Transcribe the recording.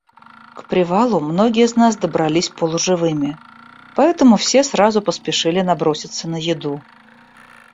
К привалу многие из нас добрались полуживыми, поэтому все сразу поспешили наброситься на еду.